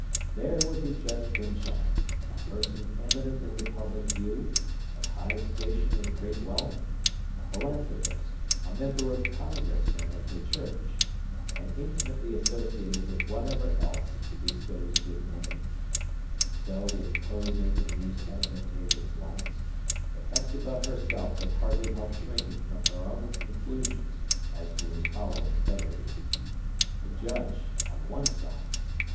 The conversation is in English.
There would be Judge Pyncheon,—a person eminent in the public view, of high station and great wealth, a philanthropist, a member of Congress and of the church, and intimately associated with whatever else bestows good name,—so imposing, in these advantageous lights, that Hepzibah herself could hardly help shrinking from her own conclusions as to his hollow integrity. The Judge, on one side!